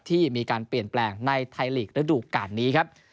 ที่มีการเปลี่ยนแปลงในไทยลีกระดูกการนี้ครับ